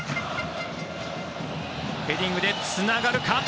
ヘディングでつながるか？